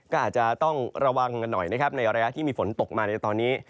ก็อาจจะต้องระวังกันหน่อยนะครับในระยะที่มีฝนตกมาในตอนนี้